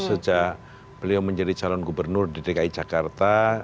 sejak beliau menjadi calon gubernur di dki jakarta